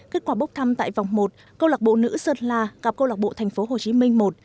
kết quả bốc thăm tại vòng một câu lạc bộ nữ sơn la gặp câu lạc bộ tp hcm một